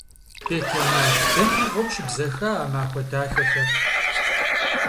Бетэмал, дэнэ мыгъуэм щыбзэха а махуэ дахэхэр?!